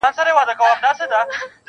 ته له هره دِلستانه دِلستانه ښایسته یې,